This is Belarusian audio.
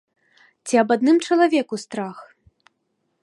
Ці аб адным чалавеку страх?